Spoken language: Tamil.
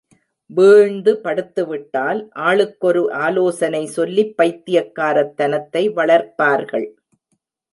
வீழ்ந்து படுத்துவிட்டால் ஆளுக்கொரு ஆலோசனை சொல்லிப் பைத்தியக்காரத் தனத்தை வளர்ப்பார்கள்.